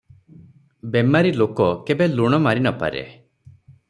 ବେମାରି ଲୋକ କେବେ ଲୁଣ ମାରି ନ ପାରେ ।